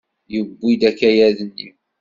Yewwi-d akayad-nni?